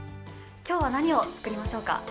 今日は何を作りましょうか？